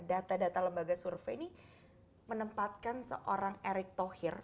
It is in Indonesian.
data data lembaga survei ini menempatkan seorang erick thohir